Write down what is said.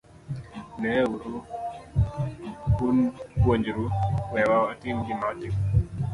Neuru, un puonjru, wewa watim gima watimo.